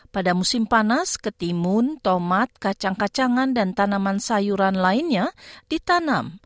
pada musim panas ketimun tomat kacang kacangan dan tanaman sayuran lainnya ditanam